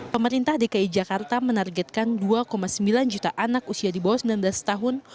pemerintah dki jakarta menargetkan dua sembilan juta anak usia di bawah sembilan belas tahun